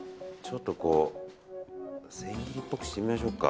千切りっぽくしてみましょうか。